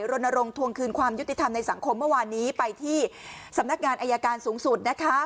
รณรงควงคืนความยุติธรรมในสังคมเมื่อวานนี้ไปที่สำนักงานอายการสูงสุดนะคะ